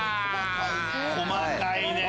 細かいね。